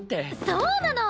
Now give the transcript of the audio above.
そうなの！